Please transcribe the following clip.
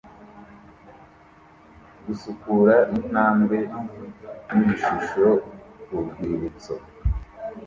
gusukura intambwe nibishusho kurwibutso